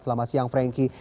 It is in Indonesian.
selama siang frankie